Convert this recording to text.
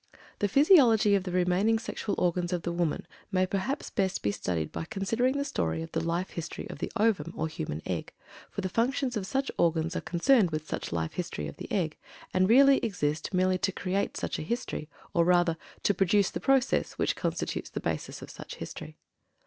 The physiology of the remaining sexual organs of the woman may perhaps best be studied by considering the story of the Life History of the Ovum, or human egg, for the functions of such organs are concerned with such life history of the egg, and really exist merely to create such a history, or rather, to produce the process which constitutes the basis of such history.